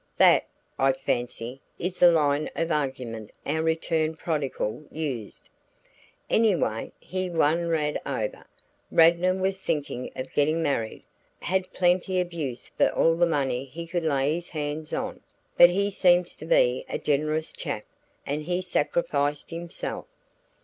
That, I fancy, is the line of argument our returned prodigal used. Anyway, he won Rad over. Radnor was thinking of getting married, had plenty of use for all the money he could lay his hands on, but he seems to be a generous chap, and he sacrificed himself.